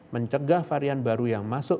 mencegah varian baru yang masuk